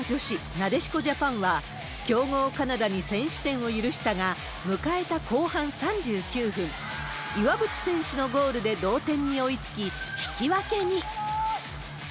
なでしこジャパンは、強豪、カナダに先取点を許したが、迎えた後半３９分、岩渕選手のゴールで同点に追いつき、引き分けに。